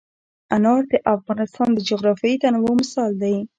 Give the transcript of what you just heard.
انار د افغانستان د جغرافیوي تنوع مثال دی.